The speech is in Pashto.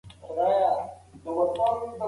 موږ به د جمعې په ورځ هوټل لټوو.